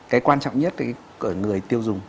cái quan trọng nhất của người tiêu dùng